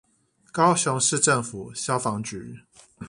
高雄市政府消防局